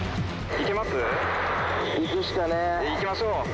いきましょう。